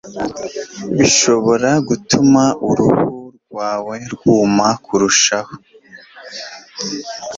bushobora gutuma uruhu rwawe rwuma kurushaho.